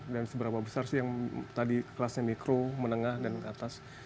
dan seberapa besar sih yang tadi kelasnya mikro menengah dan ke atas